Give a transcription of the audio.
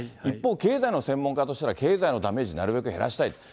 一方、経済の専門家としたら経済のダメージなるべく減らしたい。